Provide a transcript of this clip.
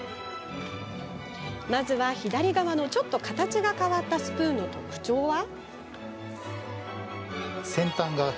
まずは左側の、ちょっと形が変わったスプーンの特徴は？